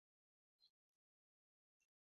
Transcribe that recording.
জ্যোতিষী ভাগ্য নির্ণয় ছাড়াও অদৃশ্যের খবর জানত।